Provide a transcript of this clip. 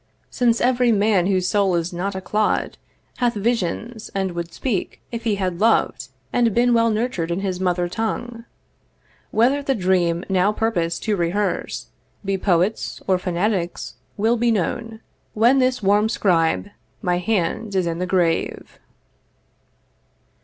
Since every man whose soul is not a clod Hath visions, and would speak, if he had loved And been well nurtured in his mother tongue. Whether the dream now purpos'd to rehearse Be poet's or fanatic's will be known When this warm scribe my hand is in the grave.